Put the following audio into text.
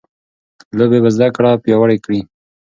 لوبې به زده کړه پیاوړې کړي.